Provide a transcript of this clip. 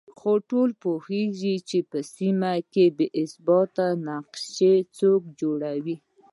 خو ټول پوهېږو چې په سيمه کې د بې ثباتۍ نقشې څوک جوړوي